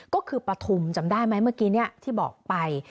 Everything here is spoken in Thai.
ก็คือปฐุมจำได้ไหมเมื่อกี้ที่บอกไป